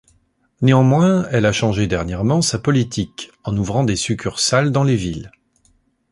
Néanmoins, elle a changé dernièrement sa politique en ouvrant des succursales dans les villes.